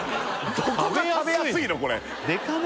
どこが食べやすいのこれ食べやすい！？